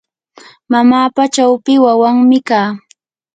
mamapa chawpi wawanmi kaa.